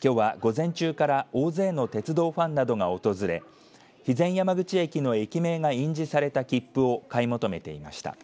きょうは午前中から大勢の鉄道ファンなどが訪れ肥前山口駅の駅名が印字された切符を買い求めていました。